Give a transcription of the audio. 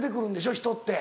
人って。